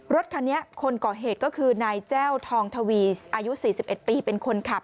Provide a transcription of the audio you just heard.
รถคันนี้คนก่อเหตุก็คือนายแจ้วทองทวีอายุ๔๑ปีเป็นคนขับ